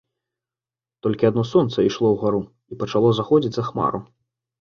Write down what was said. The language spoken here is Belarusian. Толькі адно сонца ішло ўгару і пачало заходзіць за хмару.